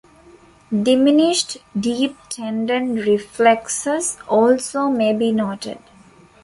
Diminished deep tendon reflexes also may be noted.